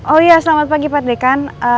oh iya selamat pagi pak dekan